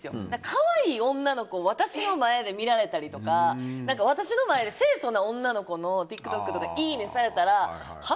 可愛い女の子を私の前で見られたりとか私の前で清楚な女の子のＴｉｋＴｏｋとかいいねされたらは？